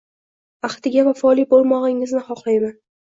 Axdiga vafoli bo'lmog'ingizni xohlayman.